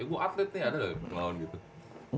eh gue atlet nih ada gak yang ngelawan gitu